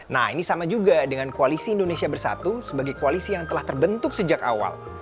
nah ini sama juga dengan koalisi indonesia bersatu sebagai koalisi yang telah terbentuk sejak awal